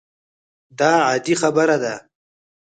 دا عادي خبره ده.